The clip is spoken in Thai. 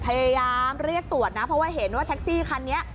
พยายามเรียกตรวจนะเพราะว่าเห็นว่าแท็กซี่คันนี้